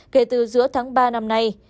kể từ giữa tháng ba năm nay